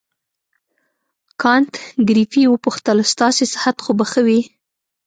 کانت ګریفي وپوښتل ستاسې صحت خو به ښه وي.